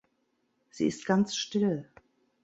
Sie ist ganz still.